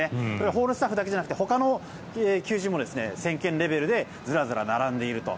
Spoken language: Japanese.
ホールスタッフだけじゃなくてほかの求人も１０００件レベルでずらずら並んでいると。